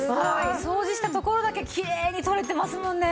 掃除した所だけきれいに取れてますもんね。